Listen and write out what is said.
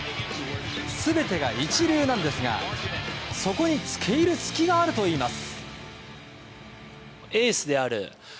全てが一流なんですが、そこに付け入る隙があるといいます。